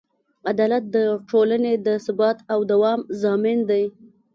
عدالت د ټولنې د ثبات او دوام ضامن دی.